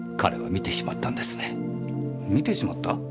見てしまった？